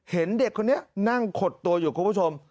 เห็นเด็กคนนี้นั่งขดตัวอยู่คุณผู้ชม